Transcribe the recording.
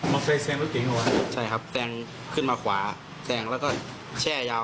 มอเฟย์แซงรถเก๋งหรือเปล่า